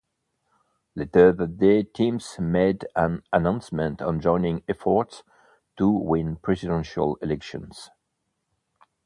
Later that day teams made an announcement on joining efforts to win presidential elections.